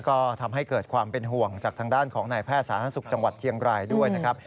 ก็ทำให้เกิดความเป็นห่วงจากทางด้านของนายแพทย์สาธารณสุขจังหวัดเชียงรายด้วยนะครับ